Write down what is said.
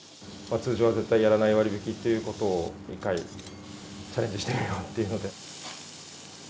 通常は絶対やらない割引を、１回チャレンジしてみようというので。